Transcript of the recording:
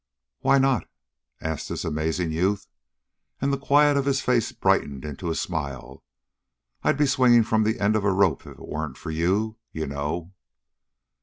"Why not?" asked this amazing youth, and the quiet of his face brightened into a smile. "I'd be swinging from the end of a rope if it weren't for you, you know."